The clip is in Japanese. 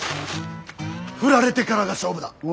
振られてからが勝負だ！